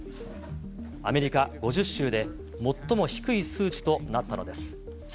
アメリカ５０州で最も低い数値となったのです。